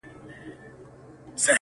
زما له ستوني سلامت سر دي ایستلی،